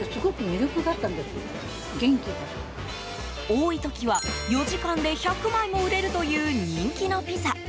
多い時は４時間で１００枚も売れるという人気のピザ。